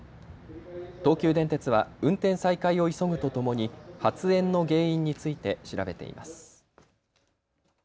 東急電鉄は運転再開を急ぐとともに発煙の原因について調べています。